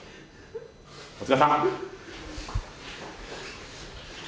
お疲れさま。